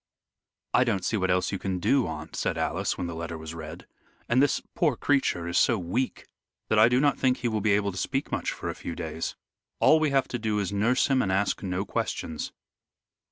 "I don't see what else you can do, aunt," said Alice, when the letter was read. "And this poor creature is so weak, that I do not think he will be able to speak much for a few days. All we have to do is to nurse him and ask no questions."